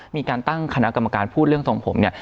มีการตั้งคณะกรรมการพูดเรื่องทรงผมเนี่ย